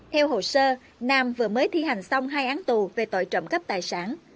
theo hồ sơ nam vừa mới thi hành xong hai án tù về tội trộm cắp tài sản